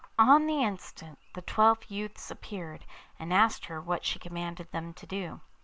On the instant the twelve youths appeared, and asked her what she commanded them to do.